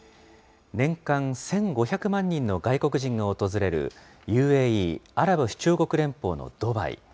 年間１５００万人の外国人が訪れる、ＵＡＥ・アラブ首長国連邦のドバイ。